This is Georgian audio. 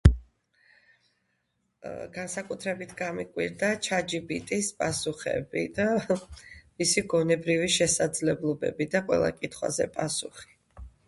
განსაკუთრებით გამიკვირდა ჩატჯიბიტის პასუხები და მისი გონებრივი შესაძლებლობები და ყველა კითხვაზე პასუხი